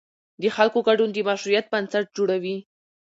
د خلکو ګډون د مشروعیت بنسټ جوړوي